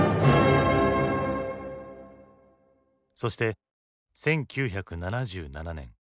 そして１９７７年。